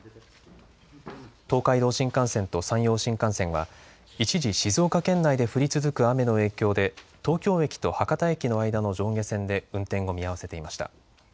東海道新幹線と山陽新幹線は一時、静岡県内で降り続く雨の影響で東京駅と博多駅の間の上下線で運転を見合わせていました。